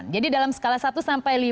jadi dalam skala satu sampai lima